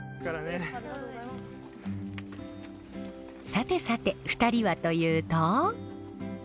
さてさて２人はというと。